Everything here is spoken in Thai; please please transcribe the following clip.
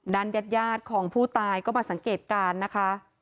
ญาติยาดของผู้ตายก็มาสังเกตการณ์นะคะ